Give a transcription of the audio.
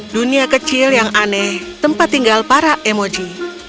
dunia kecil yang aneh tempat tinggal para emoji